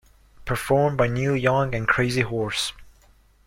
Performed by Neil Young and Crazy Horse.